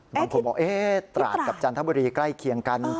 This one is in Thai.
บางคนบอกตราดกับจันทบุรีใกล้เคียงกัน